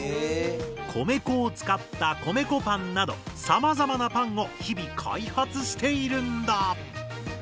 米粉を使った「米粉パン」などさまざまなパンを日々開発しているんだ。